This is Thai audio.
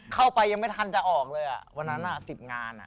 เข้าไปยังไม่ทันจะออกเลยอ่ะวันนั้น๑๐งาน